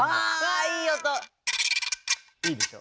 いいでしょ？